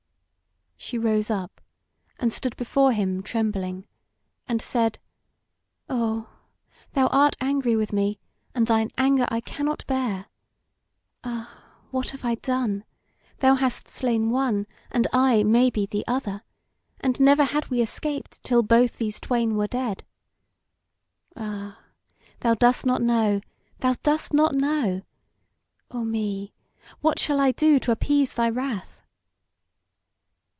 She rose up, and stood before him trembling, and said: "O, thou art angry with me, and thine anger I cannot bear. Ah, what have I done? Thou hast slain one, and I, maybe, the other; and never had we escaped till both these twain were dead. Ah! thou dost not know! thou dost not know! O me! what shall I do to appease thy wrath!"